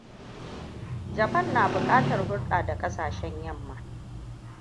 Japan na buƙatar hulɗa da ƙasashen yamma.